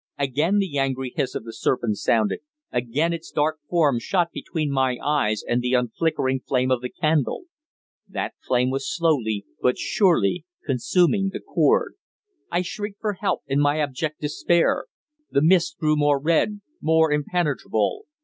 Again the angry hiss of the serpent sounded. Again its dark form shot between my eyes and the unflickering flame of the candle. That flame was slowly but surely consuming the cord! I shrieked for help in my abject despair. The mist grew more red, more impenetrable.